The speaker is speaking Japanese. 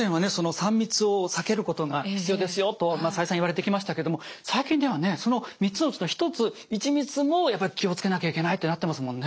３密を避けることが必要ですよと再三言われてきましたけども最近ではねその３つのうちの１つ１密もやっぱり気を付けなきゃいけないってなってますもんね。